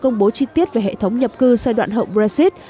nhưng các bộ chính tiết về hệ thống nhập cư giai đoạn hậu brexit